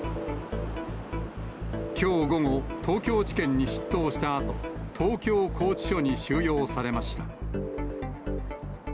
きょう午後、東京地検に出頭したあと、東京拘置所に収容されました。